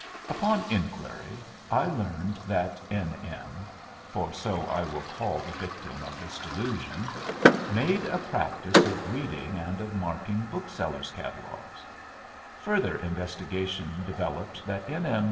"Upon inquiry I learned that N. M. (for so I will call the victim of this delusion) made a practice of reading and of marking booksellers' catalogues; further investigation developed that N.